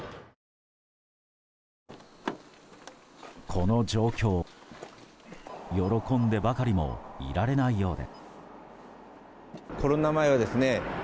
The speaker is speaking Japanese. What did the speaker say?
この状況、喜んでばかりもいられないようで。